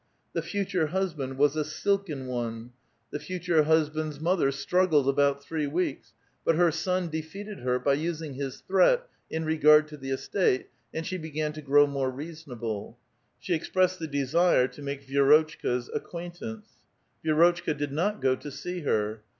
The future husband was a '' silken one "; the future husband's A VITAL QUESTION. 53 mother struggled about three weeks, but her son defeated her by usiug his threat lu regard to tlie estate, aiiu she began to grow more reasonable. IShe expressed tiie desire to make Vi^rotchka's acquaintance. Vi^rotchka did not go to see her.